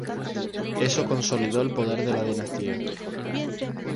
Eso consolidó el poder de la dinastía.